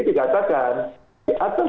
dikatakan di atas